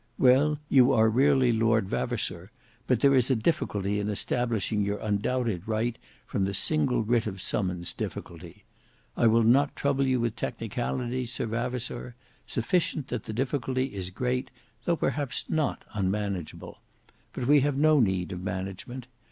Well, you are really Lord Vavasour, but there is a difficulty in establishing your undoubted right from the single writ of summons difficulty. I will not trouble you with technicalities, Sir Vavasour: sufficient that the difficulty is great though perhaps not unmanageable. But we have no need of management.